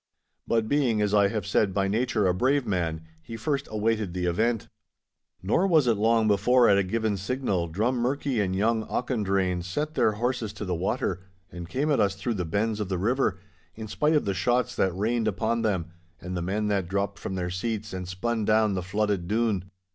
But being, as I have said, by nature a brave man, he first awaited the event. Nor was it long before, at a given signal, Drummurchie and young Auchendrayne set their horses to the water and came at us through the bends of the river, in spite of the shots that rained upon them, and the men that dropped from their seats and spun down the flooded Doon.